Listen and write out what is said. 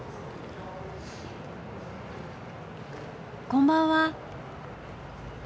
こんばんは。